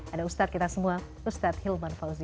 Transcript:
ada ustad kita semua ustad hilman fauzi